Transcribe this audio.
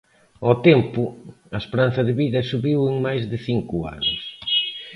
Ao tempo, a esperanza de vida subiu en máis de cinco anos.